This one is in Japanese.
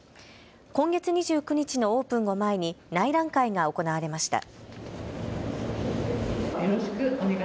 今月２９日のオープンを前に内覧会が行われました。